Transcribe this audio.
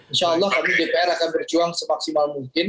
insya allah kami dpr akan berjuang semaksimal mungkin